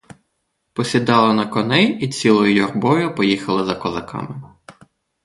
Посідали на коней і цілою юрбою поїхали за козаками.